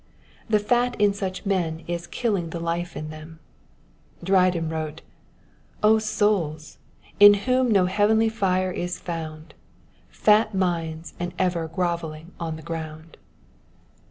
The fat in such men is killing the life in them. Dryden wrote, *' O bouIb ! In whom no heavenly fire is found. Fat minds and ever groveUing on the ground."